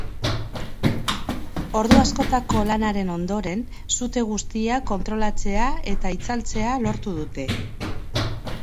Ordu askotako lanaren ondoren, sute guztiak kontrolatzea eta itzaltzea lortu dute.